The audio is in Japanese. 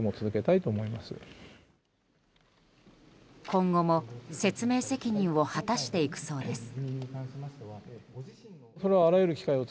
今後も説明責任を果たしていくそうです。